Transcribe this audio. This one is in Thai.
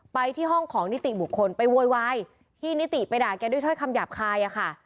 ไปที่ห้องของนิติบุคคลไปโวยวายที่นิติไปด่าแกด้วยถ้อยคำหยาบคายอะค่ะ